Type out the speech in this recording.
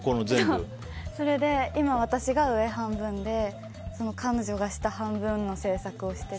それで今、私が上半分で彼女が下半分の制作をしてて。